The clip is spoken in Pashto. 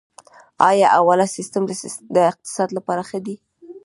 آیا حواله سیستم د اقتصاد لپاره ښه دی؟